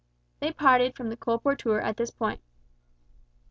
'" They parted from the colporteur at this point.